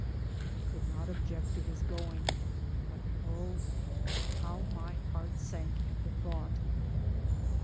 I could not object to his going, but oh, how my heart sank at the thought.